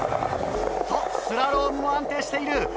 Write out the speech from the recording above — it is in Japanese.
スラロームも安定している。